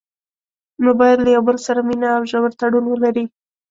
نو باید له یو بل سره مینه او ژور تړون ولري.